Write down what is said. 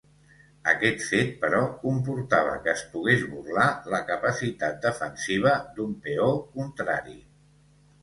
Aquest fet, però, comportava que es pogués burlar la capacitat defensiva d'un peó contrari.